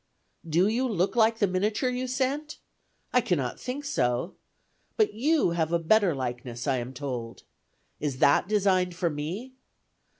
Do you look like the miniature you sent? I cannot think so. But you have a better likeness, I am told. Is that designed for me?